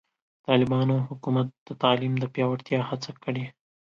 د طالبانو حکومت د تعلیم د پیاوړتیا هڅه کړې.